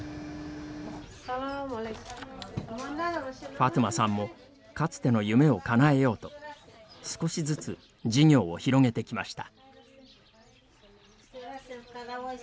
ファトゥマさんもかつての夢をかなえようと少しずつ事業を広げてきました。